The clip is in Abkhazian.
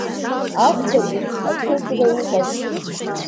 Ахәбатәи ацәырҵра иҟаз.